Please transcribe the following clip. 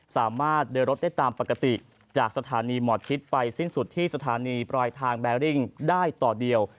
สามารถเดินรถได้ตามปกติจากสถานีหมอชิดไปสิ้นสุดที่สถานีปลายทางแบริ่งได้ต่อเดียว